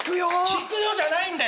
効くよじゃないんだよ！